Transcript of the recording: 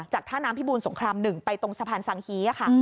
ท่าน้ำพิบูรสงคราม๑ไปตรงสะพานสังฮีค่ะ